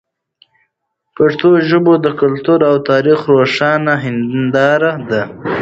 پښتو زموږ د کلتور او تاریخ روښانه هنداره ده.